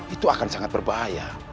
itu akan sangat berbahaya